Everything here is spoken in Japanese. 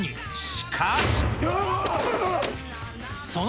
しかし。